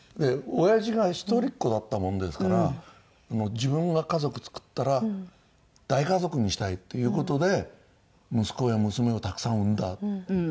おやじが一人っ子だったもんですから自分が家族作ったら大家族にしたいっていう事で息子や娘をたくさん産んだ。